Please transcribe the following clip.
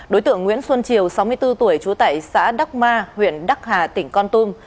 đối tượng nguyễn xuân triều sáu mươi bốn tuổi trú tại xã đắc ma huyện đắc hà tỉnh con tum